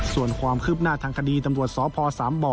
ส่วนความคืบหน้าทางคดีตำรวจสพสามบ่อ